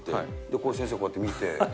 こう、先生がこうやって見て。